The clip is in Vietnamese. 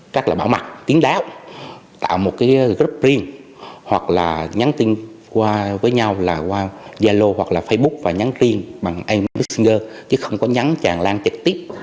các bảo mặt tiếng đáo tạo một group riêng hoặc là nhắn tin với nhau qua yellow hoặc là facebook và nhắn riêng bằng anh bixinger chứ không có nhắn chàng lan trực tiếp